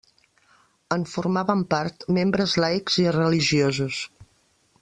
En formaven part membres laics i religiosos.